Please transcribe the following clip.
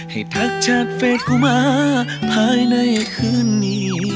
ให้ทักชาติเฟศกูมาภายในคืนนี้